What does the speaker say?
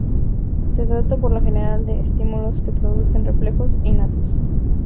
Se trata por lo general de estímulos que producen reflejos innatos.